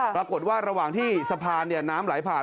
ปรากฏว่าระหว่างที่สะพานน้ำไหลผ่าน